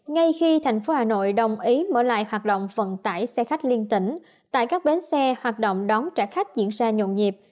ngay khi thành phố hà nội đồng ý mở lại hoạt động vận tải xe khách liên tỉnh tại các bến xe hoạt động đón trả khách diễn ra nhồn nhịp